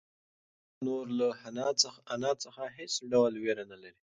هلک نور له انا څخه هېڅ ډول وېره نهلري.